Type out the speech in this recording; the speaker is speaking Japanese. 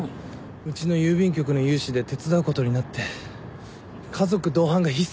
うちの郵便局の有志で手伝うことになって家族同伴が必須だって言われて。